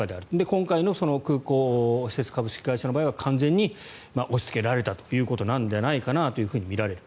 今回の空港施設株式会社の場合は完全に押しつけられたということなんじゃないかとみられる。